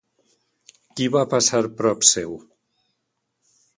Qui va passar prop seu?